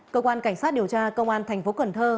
cơ quan cảnh sát điều tra công an thành phố cần thơ